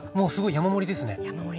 山盛りです。